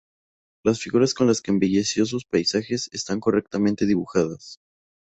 Las figuras con las que embelleció sus paisajes están correctamente dibujadas.